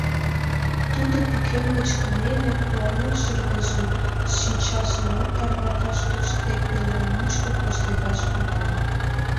Тудо пӱкен гыч кынеле, куанен шыргыжын, шинчажымат тарваташ тоштде, пӧлем мучко коштедаш тӱҥале.